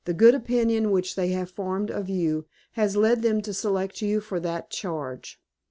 The good opinion which they have formed of you, has led them to select you for that charge.